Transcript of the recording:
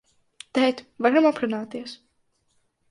Tēt, varam aprunāties?